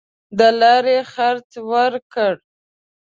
د لاري خرڅ ورکړ.